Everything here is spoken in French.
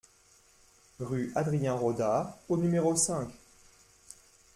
Rue Adrien Rodat au numéro cinq